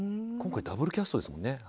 今回ダブルキャストですもんね